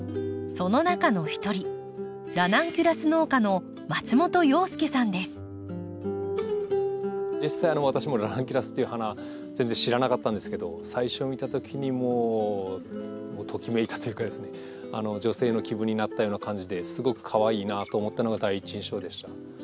その中の一人ラナンキュラス農家の実際私もラナンキュラスっていう花全然知らなかったんですけど最初見たときにもうときめいたというかですね女性の気分になったような感じですごくかわいいなと思ったのが第一印象でした。